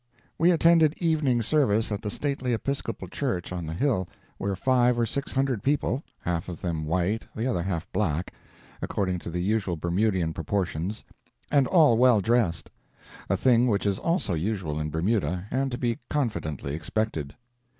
We attended evening service at the stately Episcopal church on the hill, where five or six hundred people, half of them white and the other half black, according to the usual Bermudian proportions; and all well dressed a thing which is also usual in Bermuda and to be confidently expected.